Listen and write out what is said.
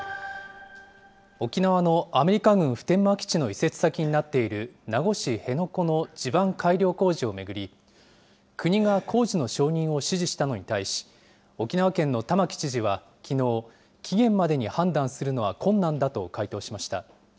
沖縄のアメリカ軍普天間基地の移設先になっている名護市辺野古の地盤改良工事を巡り、国が工事の承認を指示したのに対し、沖縄県の玉城知事はきのう、期限までに判断するのは困難だと回答しました。